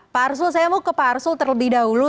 pak arsul saya mau ke pak arsul terlebih dahulu